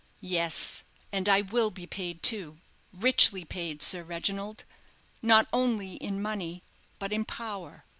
Yes, and I will be paid too, richly paid, Sir Reginald, not only in money, but in power.